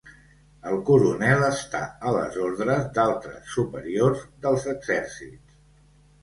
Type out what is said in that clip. El coronel està a les ordres d'altres superiors dels exèrcits.